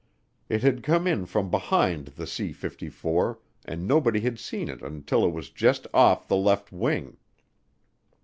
It had come in from behind the C 54, and nobody had seen it until it was just off the left wing.